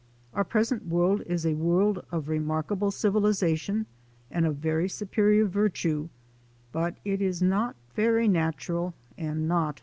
Our present world is a world of remarkable civilization and of very superior virtue, but it is not very natural and not very happy.